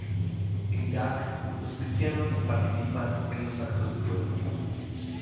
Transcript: En Irak los cristianos participan en los actos de duelo.